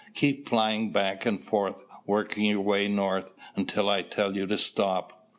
Keep flying back and forth, working your way north, until I tell you to stop."